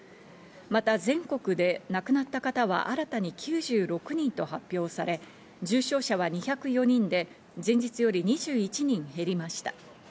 また全国で亡くなった方は新たに９６人と発表され、重症者は２０４人で前日より２１人減りました。